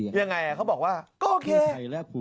ยังไงเขาบอกว่าก็โอเค